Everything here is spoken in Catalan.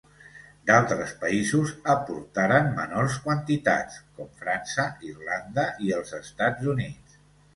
D'altres països aportaren menors quantitats, com França, Irlanda i els Estats Units.